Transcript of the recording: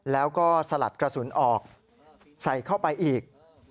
แล้วก็สลัดกระสุนออกใส่เข้าไปอีก